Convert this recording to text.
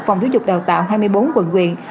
phòng giáo dục đào tạo hai mươi bốn quận quyện